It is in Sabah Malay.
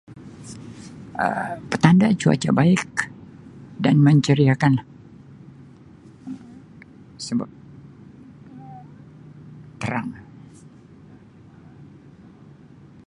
Um Petanda cuaca baik dan menceriakan lah sebab terang.